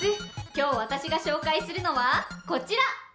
今日私が紹介するのはこちら！